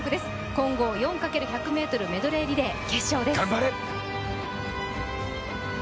混合４×１００ｍメドレーリレー決勝です。